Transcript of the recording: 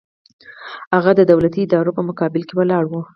هغه د دولتي ادارو په مقابل کې ولاړ و.